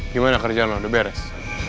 gimana kerjaan udah beres